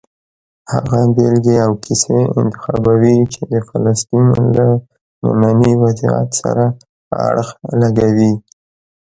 هغه بېلګې او کیسې انتخابوي چې د فلسطین له ننني وضعیت سره اړخ لګوي.